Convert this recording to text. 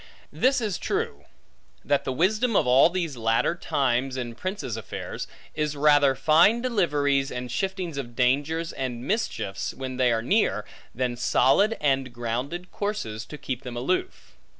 This is true, that the wisdom of all these latter times, in princes' affairs, is rather fine deliveries, and shiftings of dangers and mischiefs, when they are near, than solid and grounded courses to keep them aloof.